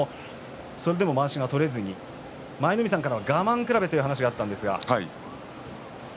それでもまわしが取れずに舞の海さんから我慢比べという話がありました。